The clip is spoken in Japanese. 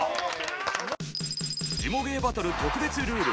ジモ芸バトル特別ルール。